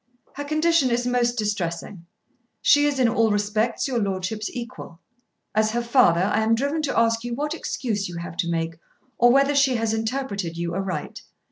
Her condition is most distressing. She is in all respects your Lordship's equal. As her father I am driven to ask you what excuse you have to make, or whether she has interpreted you aright.